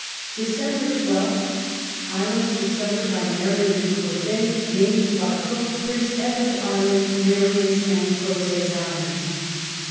Dec. I2th, Islands discovered by Marion and Crozet named hy Cook Prince Edward Island, Marioii\s and CrozePs Islands.